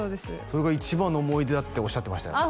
それが一番の思い出だっておっしゃってましたよ